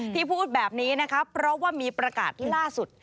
ที่พูดแบบนี้นะครับเพราะว่ามีประกาศที่ล่าสุด